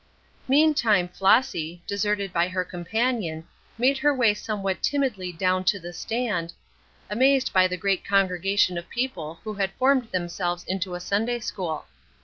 Meantime Flossy, deserted by her companion, made her way somewhat timidly down to the stand, amazed by the great congregation of people who had formed themselves into a Sunday school.